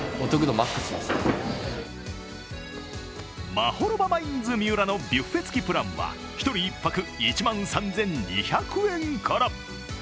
マホロバマインズ三浦のビュッフェ付きプランは１人１泊１万３２００円から。